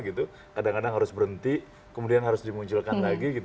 kadang kadang harus berhenti kemudian harus dimunculkan lagi